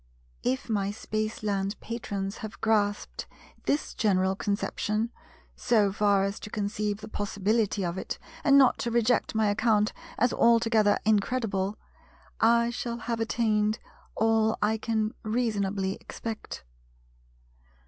If my Spaceland Patrons have grasped this general conception, so far as to conceive the possibility of it and not to reject my account as altogether incredible—I shall have attained all I can reasonably expect.